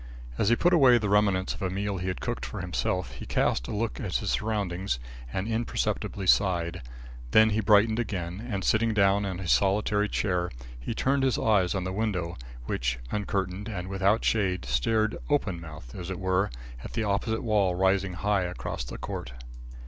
As he put away the remnants of a meal he had cooked for himself, he cast a look at his surroundings, and imperceptibly sighed. Then he brightened again, and sitting down on his solitary chair, he turned his eyes on the window which, uncurtained and without shade, stared open mouthed, as it were, at the opposite wall rising high across the court.